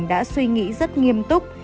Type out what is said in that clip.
đã suy nghĩ rất nghiêm túc